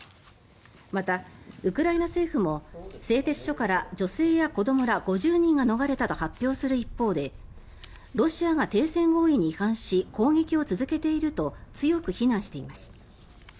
また、ウクライナ政府も製鉄所から女性や子どもら５０人が逃れたと発表する一方でロシアが停戦合意に違反し攻撃を続けていると強く非難しています。